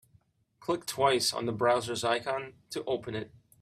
Click twice on the browser's icon to open it.